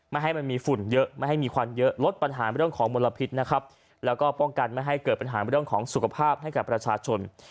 ให้มันมีฝุ่นเยอะไม่ให้มีควันเยอะลดปัญหาเรื่องของมลพิษนะครับแล้วก็ป้องกันไม่ให้เกิดปัญหาเรื่องของสุขภาพให้กับประชาชน